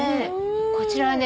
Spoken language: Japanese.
こちらはね